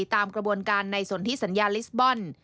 ตามกระบวนการในสนที่สัญญาลิสบอล